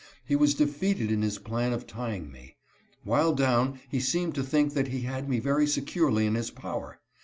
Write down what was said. He was defeated in his plan of tying me. While down, he seemed to think that he had me very securely in his power.